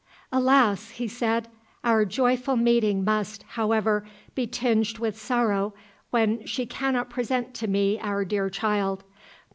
"Alas!" he said, "our joyful meeting must, however, be tinged with sorrow when she cannot present to me our dear child.